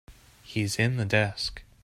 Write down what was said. He's in the desk.